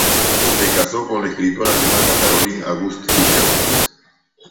Se casó con la escritora alemana Caroline Auguste Fischer